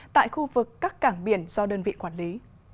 tại khu vực các cảng biển do đơn vị quản lý